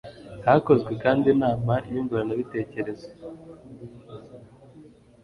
hakozwe kandi inama nyunguranabitekerezo